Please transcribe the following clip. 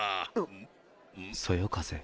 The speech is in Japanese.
っ⁉そよ風？